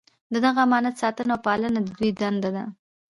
د دغه امانت ساتنه او پالنه د دوی دنده ده.